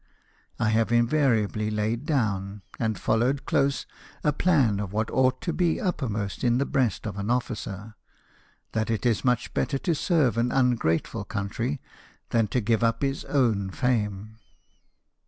I have invariably laid down, and followed close, a plan of what ought to be uppermost in the breast of an officer — that it is much better to serve an ungrateful country than to give up his own fame.